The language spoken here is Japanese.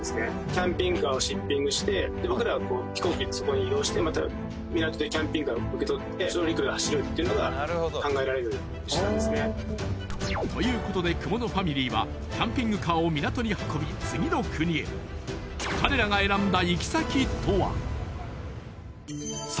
キャンピングカーをシッピングして僕らは飛行機でそこに移動してまた港でキャンピングカーを受け取って陸路を走るっていうのが考えられる手段ですねということで雲野ファミリーはキャンピングカーを港に運び次の国へ彼らが選んだ行き先とは？